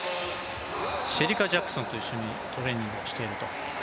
シェリカ・ジャクソンと一緒にトレーニングをしています。